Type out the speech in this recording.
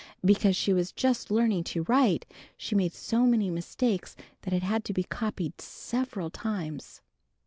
Because she was just learning to write, she made so many mistakes that it had to be copied several times.